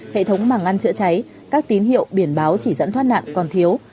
hệ thống màng ăn chữa cháy các tín hiệu biển báo chỉ dẫn thoát nạn còn thiếu